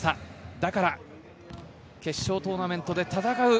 だから決勝トーナメントで戦う。